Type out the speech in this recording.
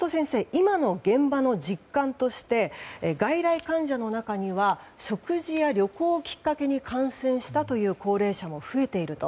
今の現場の実感として外来患者の中には食事や旅行をきっかけに感染したという高齢者も増えていると。